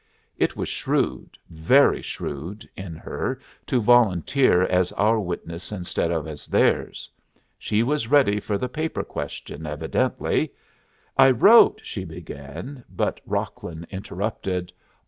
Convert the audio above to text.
It was shrewd, very shrewd, in her to volunteer as our witness instead of as theirs. She was ready for the paper question, evidently. "I wrote " she began, but Rocklin interrupted.